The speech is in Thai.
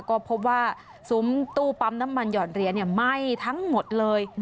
ก็พบว่าซุ้มตู้ปั๊มน้ำมันหยอดเหรียญไหม้ทั้งหมดเลย